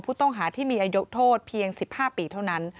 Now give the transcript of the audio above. ผู้ต้องหาที่มีอายุโทษเพียง๑๕ปีเท่านั้น